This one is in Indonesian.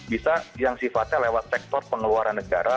bisa yang sifatnya lewat sektor pengeluaran negara